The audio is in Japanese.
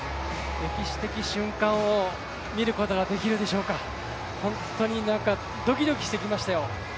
歴史的瞬間を見ることができるでしょうか、本当にドキドキしてきましたよ。